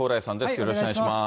よろしくお願いします。